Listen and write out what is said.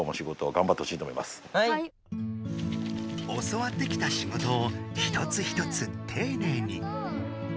教わってきた仕事を一つ一つていねいに。